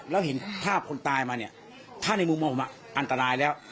แล้วเห็นภาพคนตายมาเนี่ยถ้าในมุมมองผมอันตรายแล้ว